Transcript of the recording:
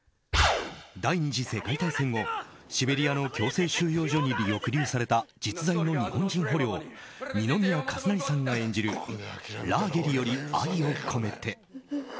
第２次世界大戦後、シベリアの強制収容所に抑留された実在の日本人捕虜を二宮和也さんが演じる「ラーゲリより愛を込めて」。